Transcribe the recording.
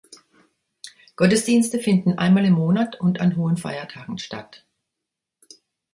Gottesdienste finden einmal im Monat und an hohen Feiertagen statt.